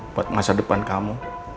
buat masa depan kamu